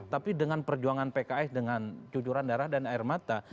tapi dengan perjuangan pks dengan cucuran darah dan air mata